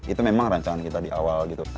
itu memang rancangan kita di awal gitu